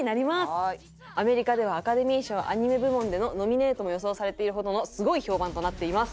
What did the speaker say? アメリカではアカデミー賞アニメ部門でのノミネートも予想されているほどのすごい評判となっています。